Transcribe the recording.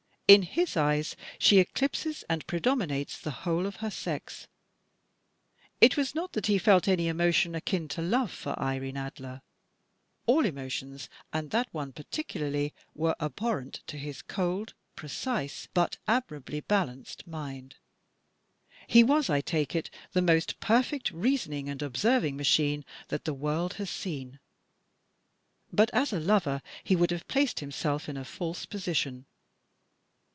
In his eyes she eclipses and predominates the whole of her sex. It was not that he felt any emotion akin to love for Irene Adler. All emotions, and that one particularly, were abhorrent to his cold, precise, but admirably balanced mind. He was, I take it, the most perfect reasoning and observing machine that the world has seen; but, as a lover, he would have placed himself in a false position.